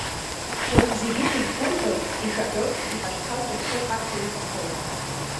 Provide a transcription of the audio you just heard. Уажә зегьы-зегь гәрӷьоит, ишәаҳәоит, иҳацәцаз рыԥсы ҳақла ишәахоит.